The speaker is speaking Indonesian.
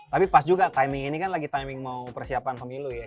tapi pas juga timing ini kan lagi timing mau persiapan pemilu ya